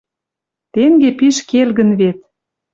Тенге пиш келгӹн вет